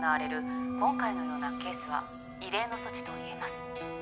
今回のようなケースは異例の措置といえます。